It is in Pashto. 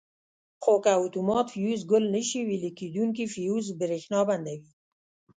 خو که اتومات فیوز ګل نه شي ویلې کېدونکي فیوز برېښنا بندوي.